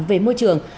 về môi trường